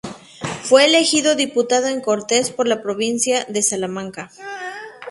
Fue elegido Diputado en Cortes por la Provincia de Salamanca.